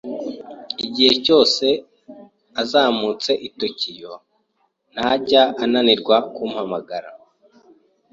Igihe cyose azamutse i Tokiyo, ntajya ananirwa kumpamagara.